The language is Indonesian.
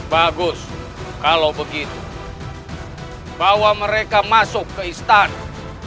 bagus kalau begitu bahwa mereka masuk ke istana